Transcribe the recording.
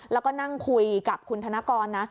แล้วก็นั่งคุยกับคุณธนกรนะ